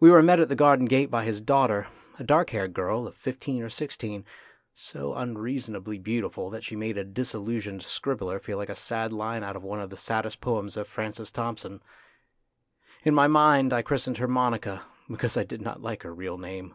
We were met at the garden gate by his daughter, a dark haired girl of fifteen or sixteen, so unreasonably beautiful that she made a dis illusioned scribbler feel like a sad line out of one of the saddest poems of Francis Thompson. In my mind I christened her Monica, because I did not like her real name.